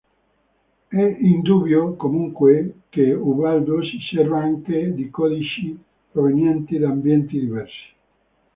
È indubbio, comunque, che Ubaldo si serva anche di codici provenienti da ambienti diversi.